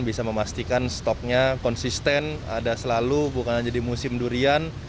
bisa memastikan stoknya konsisten ada selalu bukan hanya di musim durian